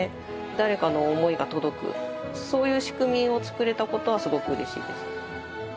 誰かの思いが届くそういう仕組みをつくれたことはすごくうれしいです。